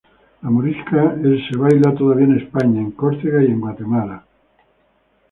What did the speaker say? La "morisca" es bailada todavía en España, en Córcega y en Guatemala.